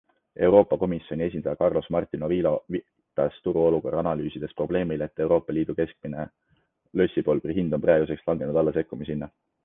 Euroopa Komisjoni esindaja Carlos Martin Ovilo viitas turuolukorda analüüsides probleemile, et ELi keskmine lõssipulbri hind on praeguseks langenud alla sekkumishinna.